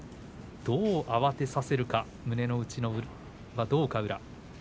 どう慌てさせるか胸の内はどうか宇良。